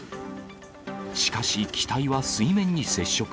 しかし、機体は水面に接触。